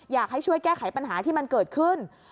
อยากให้ช่วยแก้ไขปัญหาที่มันเกิดขึ้น